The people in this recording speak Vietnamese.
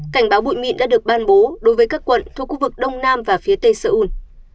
cảnh báo bụi mịn đã được ban bố đối với các quận thuộc khu vực đông nam và phía tây seoul